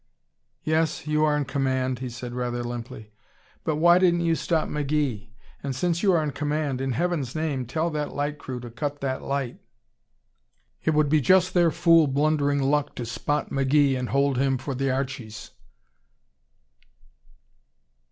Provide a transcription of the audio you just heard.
"Yes, you are in command," he said, rather limply, "but why didn't you stop McGee? And since you are in command, in Heaven's name tell that light crew to cut that light. It would be just their fool, blundering luck to spot McGee and hold him for the Archies."